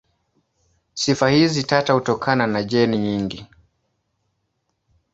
Sifa hizi tata hutokana na jeni nyingi.